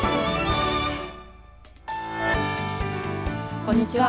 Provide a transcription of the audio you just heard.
こんにちは。